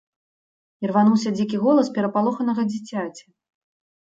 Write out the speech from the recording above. Ірвануўся дзікі голас перапалоханага дзіцяці.